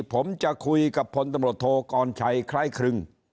ผมจะคุยกับพลตำรวจโทกรชัยคล้ายครึง